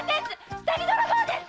下着泥棒です‼